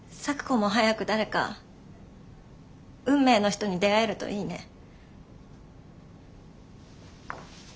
咲子も早く誰か運命の人に出会えるといいね。